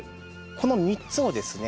この３つをですね